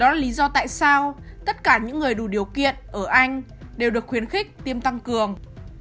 khả năng miễn dịch từ vaccine sẽ suy yếu đó là lý do tại sao tất cả những người đủ điều kiện ở anh đều được khuyến khích tiêm tăng cường